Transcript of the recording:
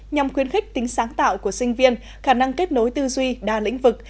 nhằm khuyến khích tính sáng tạo của sinh viên khả năng kết nối tư duy đa lĩnh vực